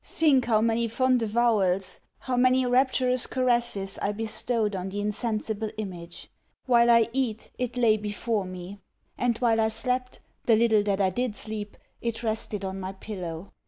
Think how many fond avowals, how many rapturous caresses, I bestowed on the insensible image. While I eat, it lay before me; and while I slept, the little that I did sleep, it rested on my pillow.